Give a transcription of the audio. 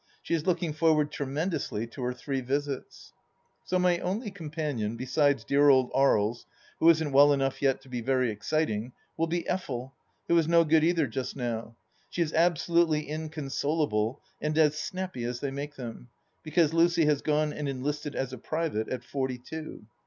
She is looking forward tremendously to her three vjsiti. ... So my only companion, besides dear old Aries, who isn't well enough yet to be very exciting, will be Effel, who is no good either just now. She is absolutely inconsolable, and as snappy as they make them, because Lucy has gone and enlisted as a private — at forty two.